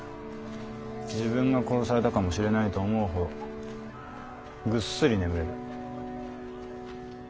自分が殺されたかもしれないと思うほどぐっすり眠れる。